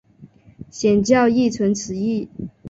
显教亦存此义。